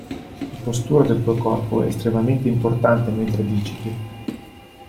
La postura del tuo corpo è estremamente importante mentre digiti.